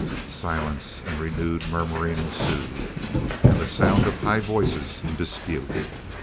Silence and renewed murmuring ensued, and the sound of high voices in dispute.